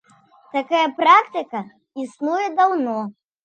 Такая практыка існуе даўно.